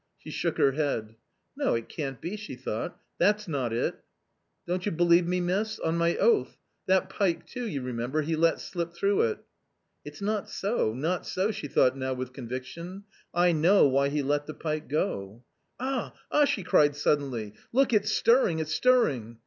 She shook her head. " No ; it can't be !" she thought, " that's not it !"" Don't you believe me, miss ? on my oath ! That pike too, you remember, he let slip through it." " It's not so, not so," she thought now with conviction, " I know why he let the pike go." " Ah ! ah !" she cried suddenly, " look, it's stirring, it's stirring."